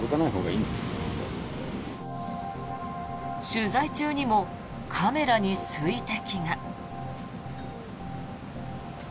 取材中にもカメラに水滴が。